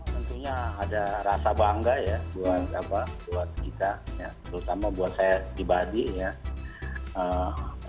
tentunya ada rasa bangga ya buat kita terutama buat saya pribadi ya